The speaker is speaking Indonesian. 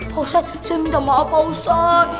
pausat saya minta maaf pausat